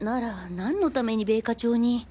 何のために米花町に。